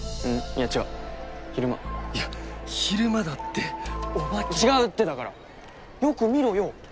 いや違う昼間いや昼間だってお化けは違うってだからよく見ろよえっ？